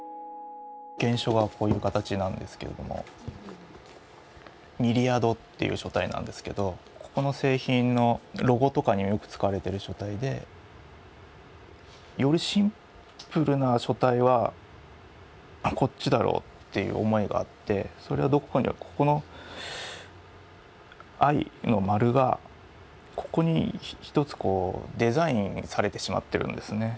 原書はこういう形なんですけれどもミリアドっていう書体なんですけどここの製品のロゴとかによく使われている書体で。よりシンプルな書体はこっちだろうって思いがあってそれはどこかというとここの「ｉ」の丸がここに一つこうデザインされてしまってるんですね。